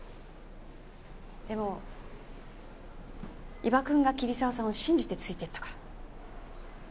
でも伊庭くんが桐沢さんを信じてついていったから。